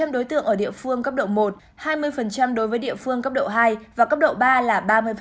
năm đối tượng ở địa phương cấp độ một hai mươi đối với địa phương cấp độ hai và cấp độ ba là ba mươi